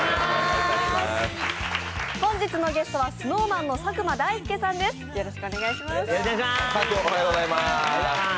本日のゲストはＳｎｏｗＭａｎの佐久間大介さんです。